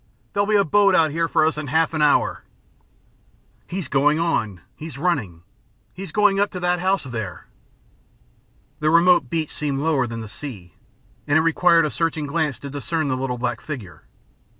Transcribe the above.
There'll be a boat out here for us in half an hour." "He's going on. He's running. He's going up to that house there." The remote beach seemed lower than the sea, and it required a searching glance to discern the little black figure.